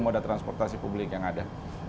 moda transportasi publik yang ada